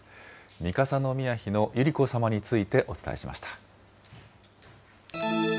三笠宮妃の百合子さまについて、お伝えしました。